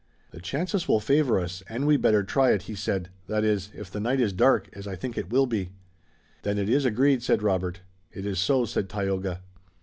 "The chances will favor us, and we'd better try it," he said, "that is, if the night is dark, as I think it will be." "Then it is agreed," said Robert. "It is so," said Tayoga.